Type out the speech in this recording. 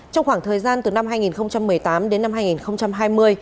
trong khoảng thời gian từ năm hai nghìn một mươi tám đến năm hai nghìn một mươi chín